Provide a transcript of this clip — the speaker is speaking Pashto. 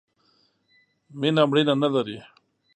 مینه مړینه نه لرئ